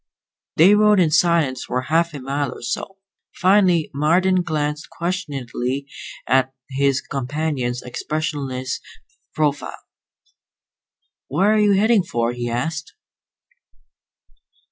They rode in silence for half a mile or so. Finally Marden glanced questioningly at his companion's expressionless profile. "Where are you headed for?" he asked.